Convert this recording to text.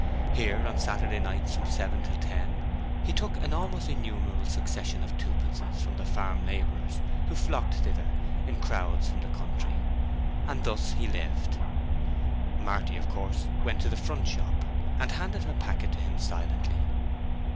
Here on Saturday nights from seven till ten he took an almost innumerable succession of twopences from the farm laborers who flocked thither in crowds from the country. And thus he lived. Marty, of course, went to the front shop, and handed her packet to him silently.